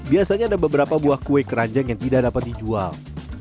biasanya ada beberapa buah kue keranjang yang tidak dapat dijual